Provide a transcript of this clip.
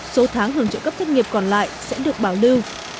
số tháng hưởng trợ cấp thất nghiệp còn lại sẽ được bảo lưu